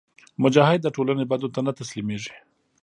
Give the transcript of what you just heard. مجاهد د ټولنې بدو ته نه تسلیمیږي.